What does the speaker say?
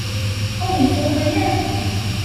Ur isṛuḥay ara akud.